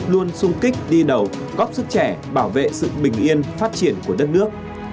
luôn sung kích đi đầu góp sức trẻ bảo vệ sự bình yên phát triển của đất nước